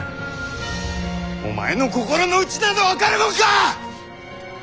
お前の心のうちなど分かるもんか！